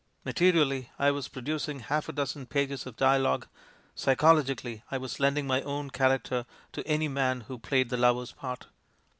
Materially, I was producing half a dozen pages of dialogue ; psychologically, I was lending my own character to any man who played the lover's part.